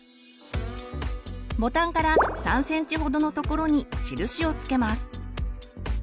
ボタンから３ｃｍほどのところに印を付けます。